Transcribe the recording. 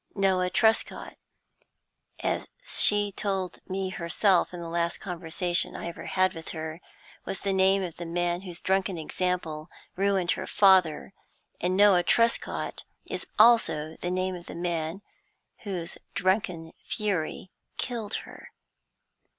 Noah Truscott, as she told me herself in the last conversation I ever had with her, was the name of the man whose drunken example ruined her father, and Noah Truscott is also the name of the man whose drunken fury killed her.